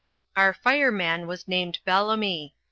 Our fireman was named Bellamy.